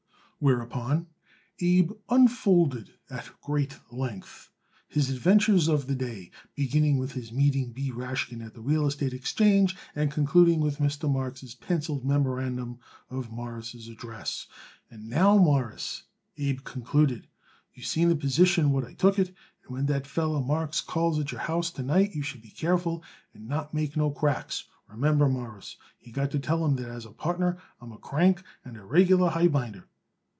Whereupon, Abe unfolded at great length his adventures of the day, beginning with his meeting B. Rashkin at the Real Estate Exchange, and concluding with Mr. Marks' penciled memorandum of Morris' address. "And now, Mawruss," Abe concluded, "you seen the position what I took it, and when that feller Marks calls at your house to night you should be careful and not make no cracks. Remember, Mawruss, you got to tell him that as a partner I am a crank and a regular highbinder.